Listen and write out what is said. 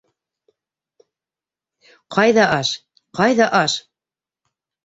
Ҡайҙа аш, ҡайҙа аш?